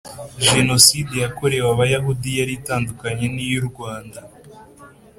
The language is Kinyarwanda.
genoside yakorewe abayahudi yari itandukanye niyu rwanda